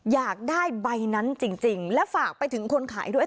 อยากได้ใบนั้นจริงและฝากไปถึงคนขายด้วย